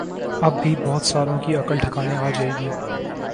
اب بھی بہت ساروں کی عقل ٹھکانے آجائے گی